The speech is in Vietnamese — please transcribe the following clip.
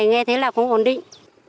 nghe thấy là không ổn định